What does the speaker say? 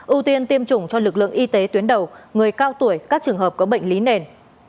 ưu tiên tiêm chủng cho lực lượng y tế tuyến đầu người cao tuổi các trường hợp có bệnh lý nền